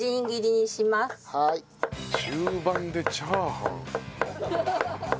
中盤でチャーハン。